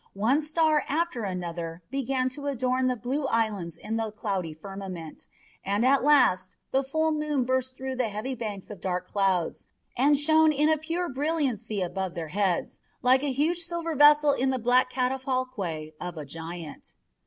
One star after another began to adorn the blue islands in the cloudy firmament, and at last the full moon burst through the heavy banks of dark clouds, and shone in pure brilliancy above their heads, like a huge silver vessel in the black catafalque of a giant.